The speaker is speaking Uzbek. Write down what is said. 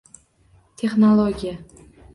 Texnologiya